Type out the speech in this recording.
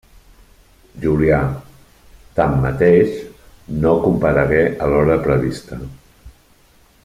Julià, tanmateix, no comparegué a l'hora prevista.